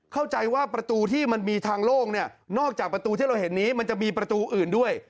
เข้าใจว่าประตูที่มันมีทางโล่งเนี่ยนอกจากประตูที่เราเห็นนี้มันจะมีประตูอื่นด้วย